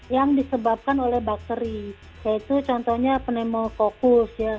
yang disebabkan oleh bakteri yaitu contohnya pneumococcus ya